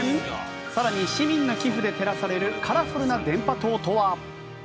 更に市民の寄付で照らされるカラフルな電波塔とは。